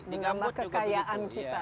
menambah kekayaan kita